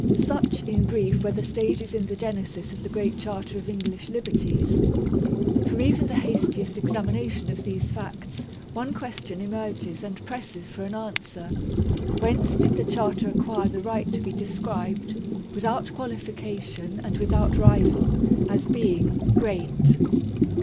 Such, in brief, were the stages in the genesis of the Great Charter of English liberties. From even the hastiest examination of these facts, one question emerges and presses for an answer. Whence did the Charter acquire the right to be described, without qualification, and without rival, as being " Great